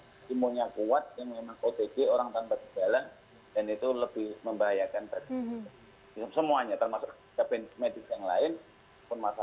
pun masyarakat atau pasien